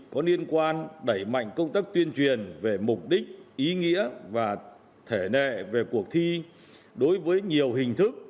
có liên quan đẩy mạnh công tác tuyên truyền về mục đích ý nghĩa và thể nệ về cuộc thi đối với nhiều hình thức